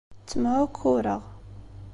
Ttemɛukkureɣ.